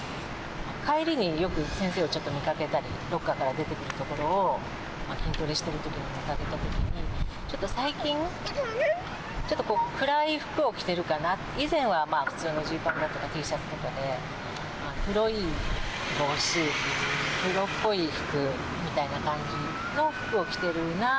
帰りによく先生をちょっと見かけたり、ロッカールームから出てくるところを、筋トレしてるときに見かけたときに、最近、ちょっとこう暗い服を着てるかな、以前は普通のジーパンだとかＴシャツとかで、黒い帽子、黒っぽい服みたいな感じの服を着てるなあ。